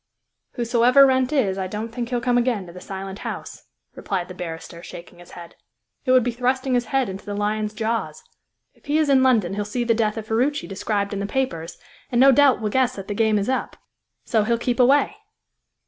"Whosoever Wrent is, I don't think he'll come again to the Silent House," replied the barrister, shaking his head. "It would be thrusting his head into the lion's jaws. If he is in London he'll see the death of Ferruci described in the papers, and no doubt will guess that the game is up; so he'll keep away."